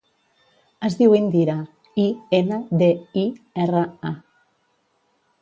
Es diu Indira: i, ena, de, i, erra, a.